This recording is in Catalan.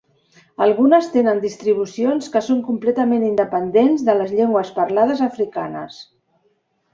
Algunes tenen distribucions que són completament independents de les llengües parlades africanes.